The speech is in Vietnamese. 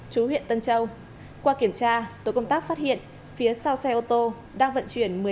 chú huyện tân châu qua kiểm tra tổ công tác phát hiện phía sau xe ô tô đang vận chuyển một mươi ba